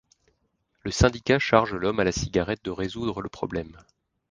Le Syndicat charge l'homme à la cigarette de résoudre le problème.